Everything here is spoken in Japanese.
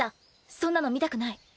そんなの見たくない。